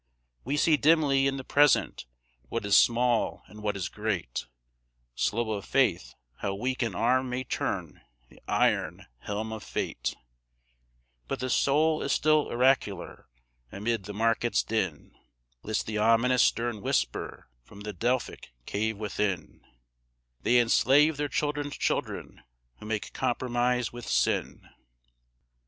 We see dimly in the Present what is small and what is great, Slow of faith, how weak an arm may turn the iron helm of fate, But the soul is still oracular; amid the market's din, List the ominous stern whisper from the Delphic cave within, "They enslave their children's children who make compromise with sin."